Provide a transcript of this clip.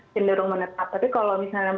cenderung menetap tapi kalau misalnya